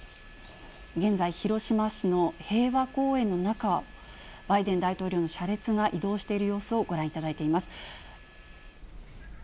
現在、広島市の平和公園の中、バイデン大統領の車列が移動している様子をご覧いただいています。